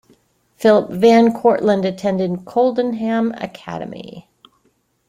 Philip Van Cortlandt attended Coldenham Academy.